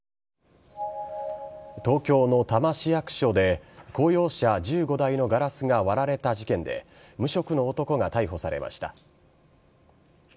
東京の多摩市役所で公用車１５台のガラスが割られた事件で無職の男が逮捕されました。